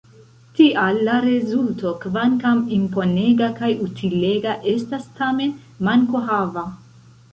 Tial la rezulto, kvankam imponega kaj utilega, estas tamen mankohava.